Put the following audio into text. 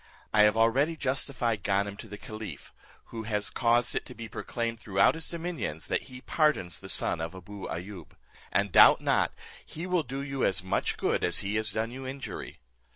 I have already justified Ganem to the caliph; who has caused it to be proclaimed throughout his dominions, that he pardons the son of Abou Ayoub; and doubt not he will do you as much good as he has done you injury.